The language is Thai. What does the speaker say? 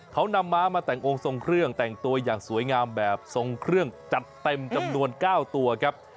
เขานำม้ามาแต่งองค์ทรงเครื่องแต่งตัวอย่างสวยงามแบบทรงเครื่องจัดเต็มจำนวน๙ตัวครับ